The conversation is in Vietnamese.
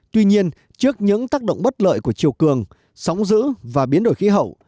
tuy nhiên trước những tác động bất lợi của chiều cường sóng giữ và biến đổi khí hậu